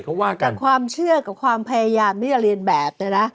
เขาว่ากันแต่ความเชื่อกับความพยายามที่จะเรียนแบบเนี่ยนะ